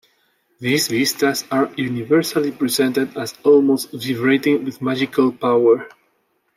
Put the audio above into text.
These vistas are universally presented as almost vibrating with magical power.